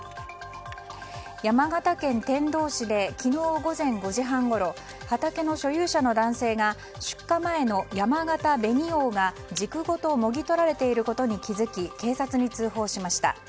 山形県天童市で昨日午前５時半ごろ畑の所有者の男性が出荷前のやまがた紅王が軸ごともぎ取られていることに気づき警察に通報しました。